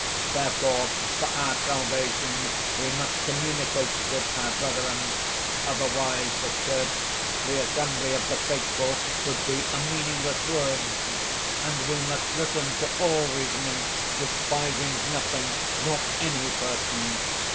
Therefore, for our salvation we must communicate with our brethren otherwise the Church, the assembly of the faithful, would be a meaningless word and we must listen to all reasoning, despising nothing, nor any person.